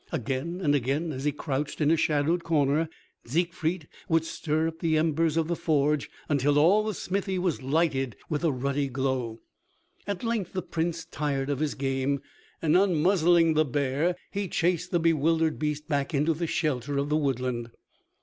Again and again as he crouched in a shadowed corner, Siegfried would stir up the embers of the forge until all the smithy was lighted with a ruddy glow. At length the Prince tired of his game, and unmuzzling the bear he chased the bewildered beast back into the shelter of the woodland.